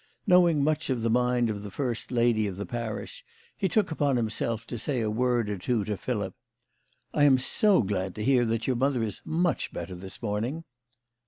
Knowing much of the mind of the first lady of the parish, he took upon himself to say a word or two to Philip. " I am so glad to hear that your mother is much better this morning."